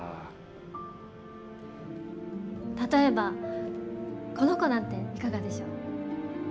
例えばこの子なんていかがでしょう？